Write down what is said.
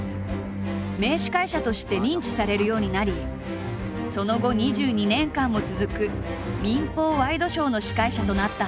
名司会者として認知されるようになりその後２２年間も続く民放ワイドショーの司会者となった。